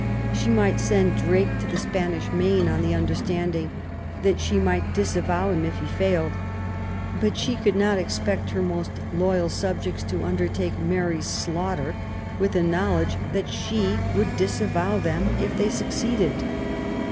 She might send Drake to the Spanish Main, on the understanding that she might disavow him if he failed ; but she could not expect her most loyal subjects to undertake Mary's slaughter, with the knowledge that she would disavow them if they succeeded.